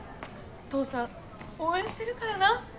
父さん応援してるからな！